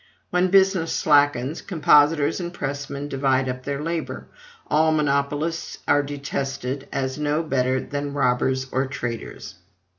When business slackens, compositors and pressmen divide up their labor; all monopolists are detested as no better than robbers or traitors.